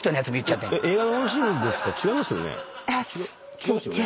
違いますよね？